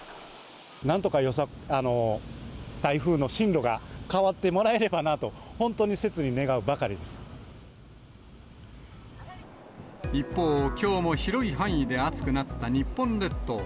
なんとか台風の進路が変わってもらえればなと、一方、きょうも広い範囲で暑くなった日本列島。